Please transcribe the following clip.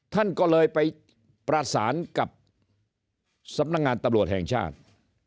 ท่านก็เลยไปประสานกับสำนักงานตำรวจแห่งชาติ